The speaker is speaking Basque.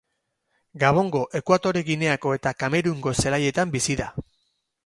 Gabongo, Ekuatore Gineako eta Kamerungo zelaietan bizi da.